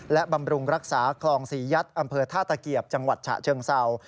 และบำรุงรักษาคลองศรียัดอำเภอท่าตะเกียบจังหวัดฉะเชิงเศร้า